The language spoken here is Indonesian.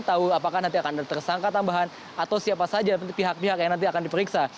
tahu apakah nanti akan ada tersangka tambahan atau siapa saja pihak pihak yang nanti akan diperiksa